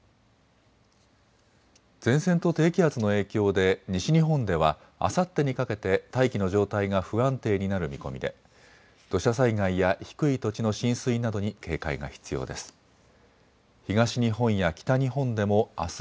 前線と低気圧の影響で西日本ではあさってにかけて大気の状態が不安定になる見込みで土砂災害や低い土地の浸水などに警戒が必要です。